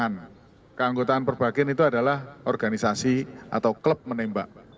yang keanggotaan perbagin itu adalah organisasi atau klub menembak